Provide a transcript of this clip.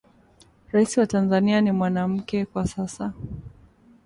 Raisi wa tanzania ni mwanamuke kwa sasa